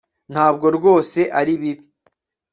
Ntabwo rwose ari bibi